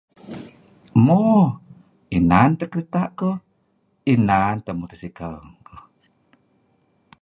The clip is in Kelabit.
Moo inan teh kereta' kuh, inan teh motor sikal ngekuh.